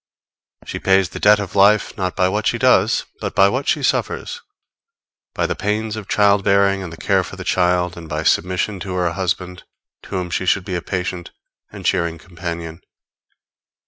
She pays the debt of life not by what she does, but by what she suffers; by the pains of child bearing and care for the child, and by submission to her husband, to whom she should be a patient and cheering companion.